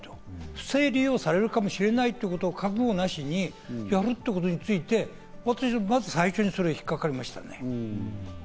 不正利用されるかもしれないということを覚悟なしにやるということについて私はまず最初にそれが引っかかりましたね。